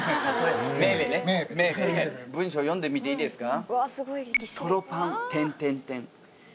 文章読んでみていいですか？